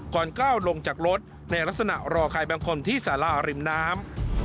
ก่อนเกล้าลงจากรถในลักษณะรอคายแบงคลมที่ริมน้ำ